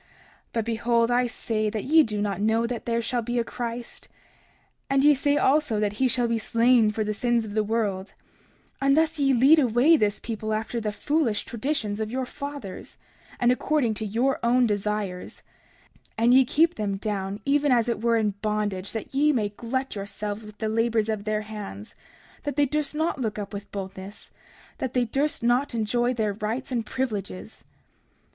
But behold, I say that ye do not know that there shall be a Christ. And ye say also that he shall be slain for the sins of the world— 30:27 And thus ye lead away this people after the foolish traditions of your fathers, and according to your own desires; and ye keep them down, even as it were in bondage, that ye may glut yourselves with the labors of their hands, that they durst not look up with boldness, and that they durst not enjoy their rights and privileges.